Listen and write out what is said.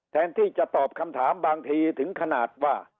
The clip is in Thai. แทนที่จะตอบคำถามบางทีถึงขนาดว่า